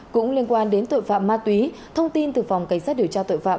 cũng liên quan đến tội phạm ma túy thông tin từ phòng cảnh sát điều tra tội phạm